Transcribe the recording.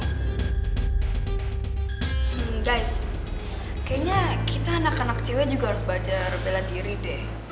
guys kayaknya kita anak anak cewe juga harus bela diri deh